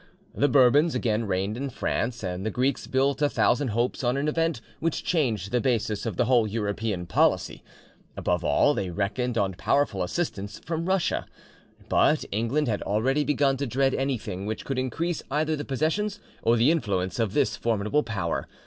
The Bourbons again reigned in France, and the Greeks built a thousand hopes on an event which changed the basis of the whole European policy. Above all, they reckoned on powerful assistance from Russia. But England had already begun to dread anything which could increase either the possessions or the influence of this formidable power.